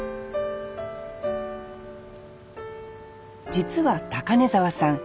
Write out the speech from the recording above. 実は高根沢さん